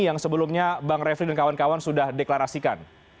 yang bang reflih dan kawan kawan sudah deklarasikan